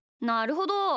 なるほど。